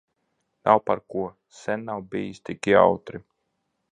Nav par ko. Sen nav bijis tik jautri.